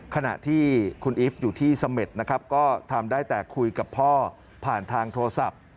ขณะที่คุณอีฟอยู่ที่เสม็ดนะครับก็ทำได้แต่คุยกับพ่อผ่านทางโทรศัพท์